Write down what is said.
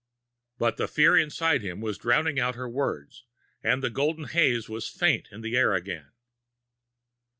But the fear inside him was drowning out her words, and the golden haze was faint in the air again.